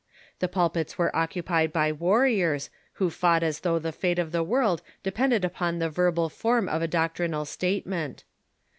The pulpits were occupied by warriors, who fought as though the fate of the world depended upon the verbal form of a doc trinal statement.